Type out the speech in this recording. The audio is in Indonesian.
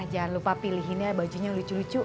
jangan lupa pilihin ya bajunya lucu lucu